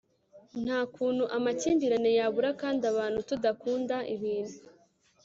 Ntakuntu amakimbirane yabura kandi abantu tudakunda ibintu